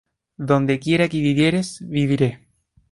donde quiera que vivieres, viviré.